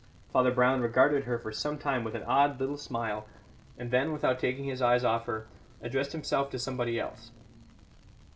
Father Brown regarded her for some time with an odd little smile, and then, without taking his eyes off her, addressed himself to somebody else.